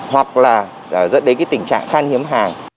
hoặc là dẫn đến cái tình trạng khan hiếm hàng